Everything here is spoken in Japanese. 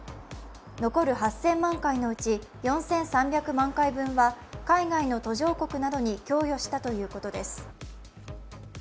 残る８０００万回のうち、４３００万回分は海外の途上国などに供与したということです。